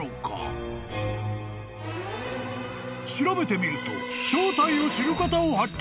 ［調べてみると］